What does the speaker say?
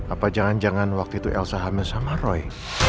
apa jangan jangan waktu itu elsa hamil sama roy